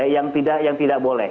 ya yang tidak boleh